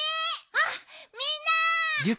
あっみんな。